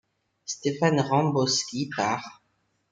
Stefan Rembowski, par.